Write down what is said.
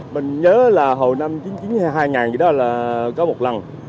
mình nhớ là hồi năm chín mươi hai hai nghìn thì đó là có một lần